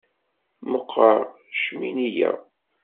Meqqer ccmini-ya.